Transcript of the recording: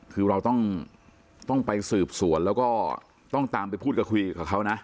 คือเราต้องไปสืบสวนแล้วก็ต้องตามไปพูดกับคุยกับเขานะ